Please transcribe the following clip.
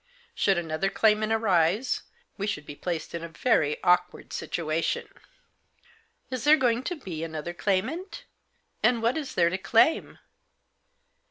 Should another claimant arise we should be placed in a very awkward situation." "Is there going to be another claimant? And what is there to claim